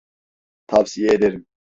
Tavsiye ederim.